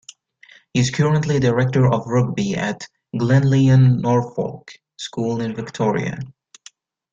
He is currently Director of Rugby at Glenlyon Norfolk School in Victoria.